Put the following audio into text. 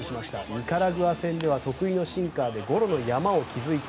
ニカラグア戦では得意のシンカーでゴロの山を築いた。